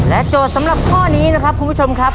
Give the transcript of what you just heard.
โจทย์สำหรับข้อนี้นะครับคุณผู้ชมครับ